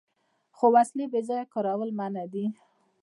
خو د وسلې بې ځایه کارول منع دي.